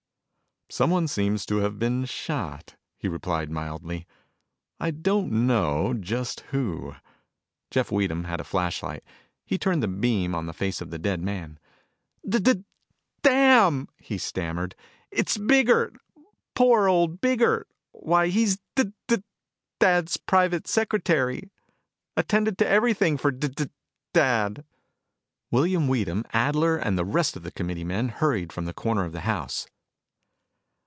"Someone seems to have been shot," he replied mildly. "I don't know just who." Jeff Weedham had a flashlight. He turned the beam on the face of the dead man. "D d damn!" he stammered. "It's Biggert. Poor old Biggert. Why, he's D d dad's private secretary. Attended to everything for D d dad." William Weedham, Adler, and the rest of the committee men hurried from the corner of the house.